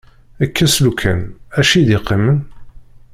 Kkes lukan, acu i d-iqqimen?